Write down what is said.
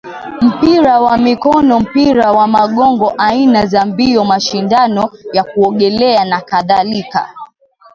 mpira wa mikono mpira wa magongo aina za mbio mashindano ya kuogelea nakadhalika